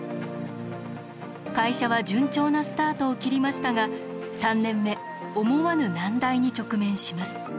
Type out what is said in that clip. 会社は順調なスタートを切りましたが３年目思わぬ難題に直面します。